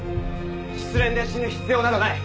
失恋で死ぬ必要などない！